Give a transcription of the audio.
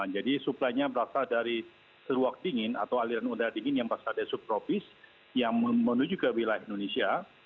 jadi supply nya berasal dari ruang dingin atau aliran udara dingin yang berasal dari subprovins yang menuju ke wilayah indonesia